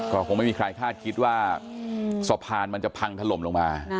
ก็คงไม่มีใครคาดคิดว่าสะพานมันจะพังถล่มลงมา